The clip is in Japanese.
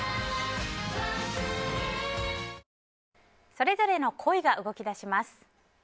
それぞれの恋が動き出します。